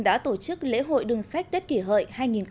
đã tổ chức lễ hội đường sách tết kỷ hợi hai nghìn một mươi chín